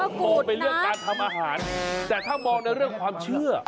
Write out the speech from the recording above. มองไปเรื่องการทำอาหารแต่ถ้ามองในเรื่องความเชื่อ